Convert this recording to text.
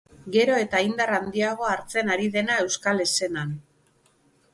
Gero eta indar handiagoa hartzen ari dena euskal eszenan.